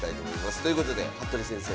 ということで服部先生